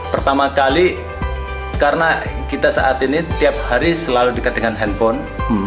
pertama kali karena kita saat ini tiap hari selalu dekat dengan handphone